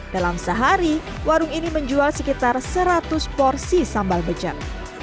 dalam sehari warung ini menjual sekitar seratus porsi sambal becek